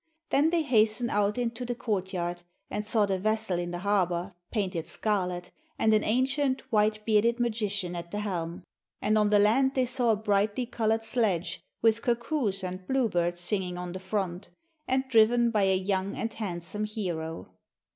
Then they hastened out into the courtyard, and saw the vessel in the harbour, painted scarlet, and an ancient white bearded magician at the helm; and on the land they saw a brightly coloured sledge, with cuckoos and bluebirds singing on the front, and driven by a young and handsome hero.